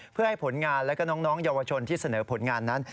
เพื่อให้ผลงานและก็น้องเยาวชนที่เสนอผลงานนั้น